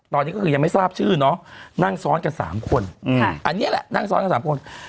ตอนนี้ก็คือยังไม่ทราบชื่อเนอะนั่งซ้อนกัน๓คนอันนี้แหละนั่งซ้อนกัน๓คน